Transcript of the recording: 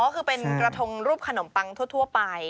ก็คือเป็นกระทงรูปขนมปังทั่วไป